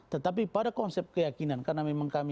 tetapi pada konsep keyakinan karena memang kami